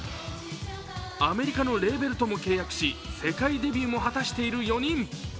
アメリカのレベールとも契約し世界デビューも果たしている４人。